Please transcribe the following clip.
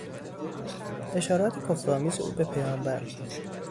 اشارات کفر آمیز او به پیامبر